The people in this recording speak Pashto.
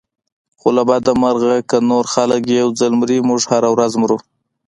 خو له بده مرغه که نور خلک یو ځل مري موږ هره ورځ مرو.